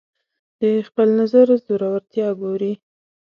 د خپل نظر زورورتیا ګوري